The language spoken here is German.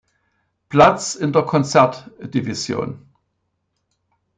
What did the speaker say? Platz in der Konzert-Division.